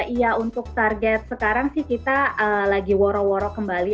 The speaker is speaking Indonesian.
iya untuk target sekarang sih kita lagi woro woro kembali